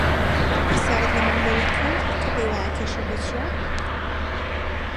پرسیارت لە مەولەوی کرد کە پێی وایە کێشەکە چییە؟